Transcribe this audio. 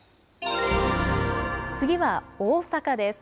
次は大阪です。